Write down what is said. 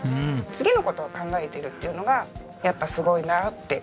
次の事を考えてるっていうのがやっぱりすごいなって。